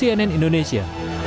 tim liputan cnn indonesia